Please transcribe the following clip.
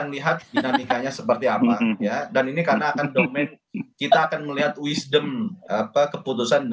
lihat dinamikanya seperti apa ya dan ini karena akan domain kita akan melihat wisdom apa keputusan